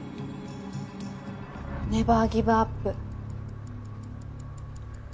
ネバーギブアップ。